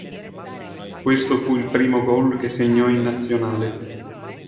Questo fu il primo gol che segnò in nazionale.